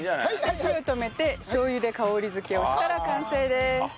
火を止めてしょう油で香りづけをしたら完成です。